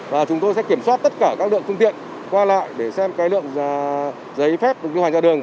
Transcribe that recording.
và chúng tôi sẽ kiểm soát tất cả các lượng trung tiện qua lại để xem cái lượng giấy phép đồng chí hoàng gia đường